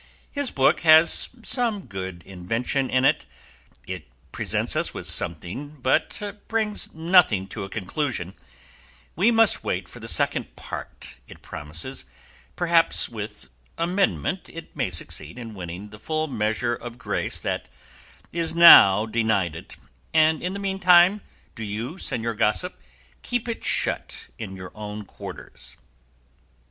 His book has some good invention in it, it presents us with something but brings nothing to a conclusion: we must wait for the Second Part it promises: perhaps with amendment it may succeed in winning the full measure of grace that is now denied it; and in the mean time do you, señor gossip, keep it shut up in your own quarters."